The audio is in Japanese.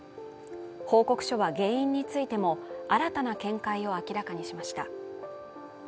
報告書は原因についても新たな見解を明らかにしました。